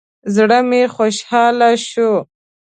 زړه مې خوشاله شو.